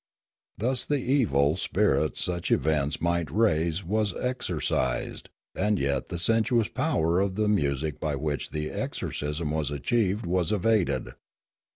Thus the evil spirit such events might raise was exor cised, and yet the sensuous power of the music by which the exorcism was achieved was evaded.